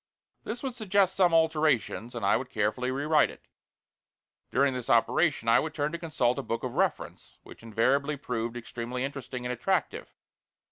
This would suggest some alterations, and I would carefully rewrite it. During this operation I would turn to consult a book of reference, which invariably proved extremely interesting and attractive.